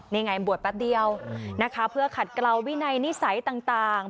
นี่ไงบวชแป๊บเดียวนะคะเพื่อขัดเกลาวินัยนิสัยต่าง